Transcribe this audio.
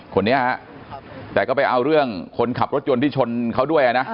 คนนี้ฮะแต่ก็ไปเอาเรื่องคนขับรถยนต์ที่ชนเขาด้วยนะ